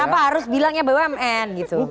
kenapa harus bilangnya bumn